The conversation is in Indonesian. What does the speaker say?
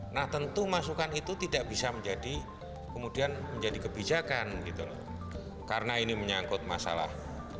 nah tentu masukan itu tidak bisa menjadi kebijakan gitu karena ini menyangkut masalahnya